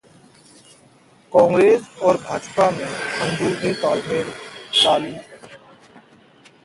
कांग्रेस और भाजपा में अंदरुनी तालमेल: लालू